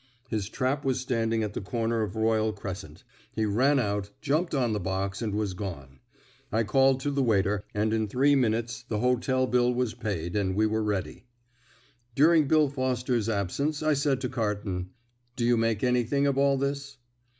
His trap was standing at the corner of Royal Crescent. He ran out, jumped on the box, and was gone. I called to the waiter, and in three minutes the hotel bill was paid, and we were ready. During Bill Foster's absence I said to Carton, "Do you make anything of all this?"